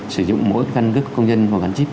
sử dụng mỗi căn cức công dân và căn chip